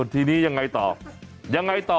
ทีนี้ยังไงต่อยังไงต่อ